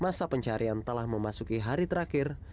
masa pencarian telah memasuki hari terakhir